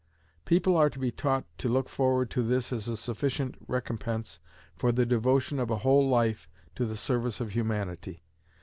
People are to be taught to look forward to this as a sufficient recompense for the devotion of a whole life to the service of Humanity.